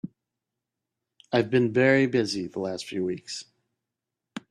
I've been very busy the last few weeks.